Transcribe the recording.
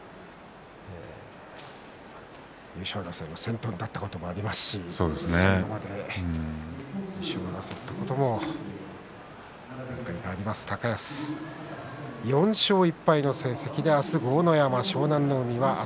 優勝争いの先頭に立ったこともありますし優勝を争ったことも何回かあります、高安４勝１敗の成績です。